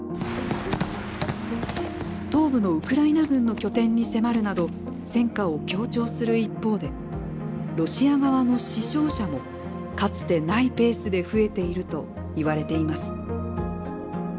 東部のウクライナ軍の拠点に迫るなど戦果を強調する一方でロシア側の死傷者もかつてないペースで増えているといわれています。